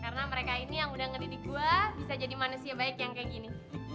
karena mereka ini yang udah ngedidik gue bisa jadi manusia baik yang kayak gini